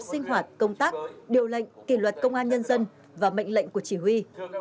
sinh hoạt công tác điều lệnh kỷ luật công an nhân dân và mệnh lệnh của chỉ huy